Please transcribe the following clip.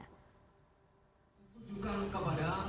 kepadang vibun sifon